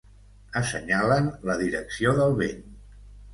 Assenyalen la direcció del vent.